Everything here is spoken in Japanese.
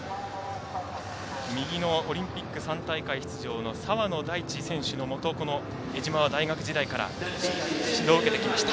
オリンピック３大会出場の澤野大地選手のもと江島は大学時代から指導を受けてきました。